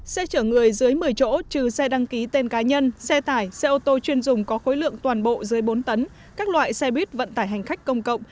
xe chở người dưới một mươi chỗ trừ xe đăng ký tên cá nhân xe tải xe ô tô chuyên dùng có khối lượng toàn bộ dưới bốn tấn các loại xe bít vận tải hành khách công cộng